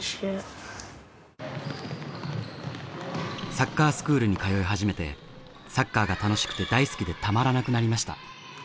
サッカースクールに通い始めてサッカーが楽しくて大好きでたまらなくなりました。